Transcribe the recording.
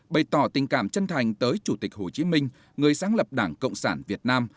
bày tỏ tình cảm chân thành tới chủ tịch hồ chí minh người sáng lập đảng cộng sản việt nam